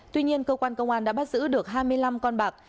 tuy nhiên cơ quan công an đã bắt giữ được hai mươi năm con bạc